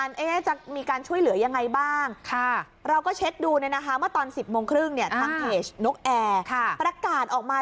โอ้ยเนี่ยผู้โดยสารก็บอกว่าโอ้ยเนี่ยผู้โดยสารก็บอกว่า